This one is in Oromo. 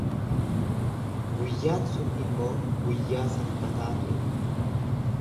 Guyyaan sun immoo guyyaa Sanbataa ture.